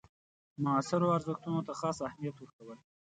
معاصرو ارزښتونو ته خاص اهمیت ورکول.